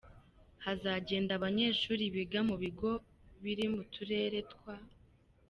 Hazagenda abanyeshuri biga mu bigo biri mu turere twa :.